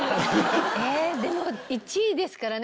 えっでも１位ですからね